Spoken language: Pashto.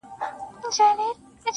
o خــو ســــمـدم.